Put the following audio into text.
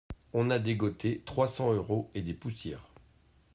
On a dégoté trois cents euros et des poussières